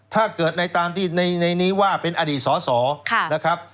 ถ้าเกิดในตามที่ในนี้ว่าเป็นอดีตสอสอนะครับ